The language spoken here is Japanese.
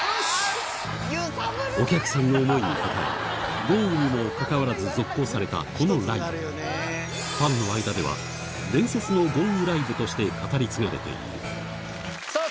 お客さんの思いに応え豪雨にもかかわらず続行されたこのライブファンの間ではとして語り継がれているさぁ